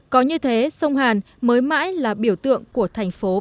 có như thế sông hàn mới mãi là biểu tượng của thành phố đà nẵng